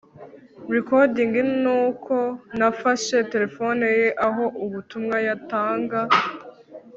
recording Nuko nafashe telephone ye aho ubutumwa yatanga